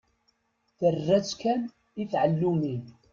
Terra-tt kan i tɛellumin.